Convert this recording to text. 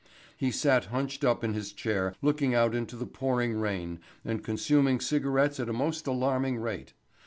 He sat hunched up in his chair looking out into the pouring rain and consuming cigarettes at a most alarming rate.